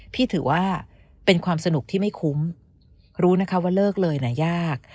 ถือว่าเป็นความสนุกที่ไม่คุ้มรู้นะคะว่าเลิกเลยนะยาก